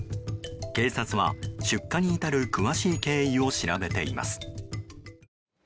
警察は出火に至る詳しい経緯を調べています。